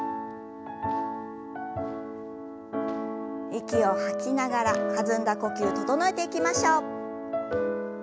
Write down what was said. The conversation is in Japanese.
息を吐きながら弾んだ呼吸整えていきましょう。